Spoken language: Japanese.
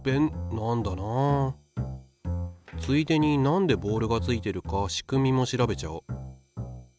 ついでになんでボールがついてるか仕組みも調べちゃおう。